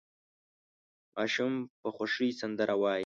ماشوم په خوښۍ سندره وايي.